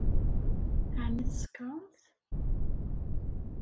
Ɛni tsekṛemt?